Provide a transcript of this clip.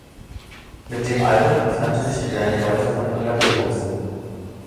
Mit dem Album entfernte sich die Band weiter von ihren Metal-Wurzeln.